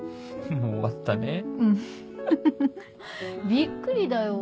びっくりだよ。